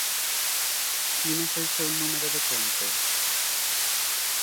Quin és el seu número de compte?